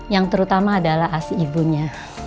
yang terutama adalah asi ibunya